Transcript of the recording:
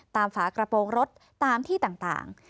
ฝากระโปรงรถตามที่ต่าง